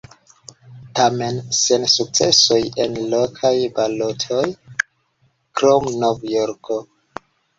Tamen sen sukcesoj en lokaj balotoj, krom Nov-Jorko.